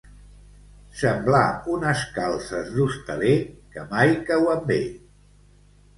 Semblar unes calces d'hostaler, que mai cauen bé.